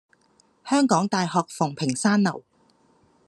香港大學馮平山樓